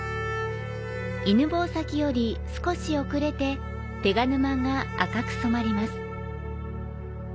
犬吠埼より少し遅れて手賀沼が赤く染まります。